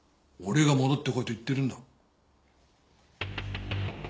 俺が戻ってこいと言ってるんだ。